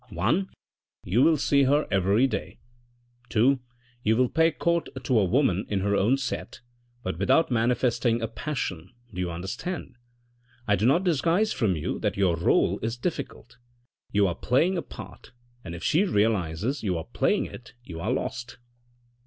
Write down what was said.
" i. You will see her every day. " 2. You will pay court to a woman in her own set, but without manifesting a passion, do you understand ? I do not disguise from you that your role is difficult ; you are playing a part, and if she realises you are playing it you are lost.